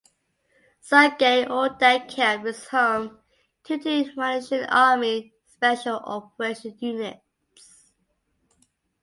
Sungai Udang Camp is home to two Malaysian Army special operations units.